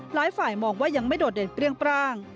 หลายฝ่ายมองว่ายังไม่โดดเด่นเปรี้ยงปร่าง